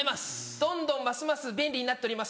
どんどんますます便利になっております